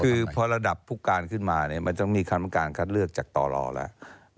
คือพอระดับผู้การขึ้นมามันต้องมีคำการคัดเลือกจากต่อรอแล้ว